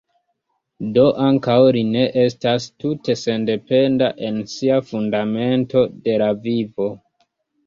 Do ankaŭ li ne estas tute sendependa en sia fundamento de la vivo.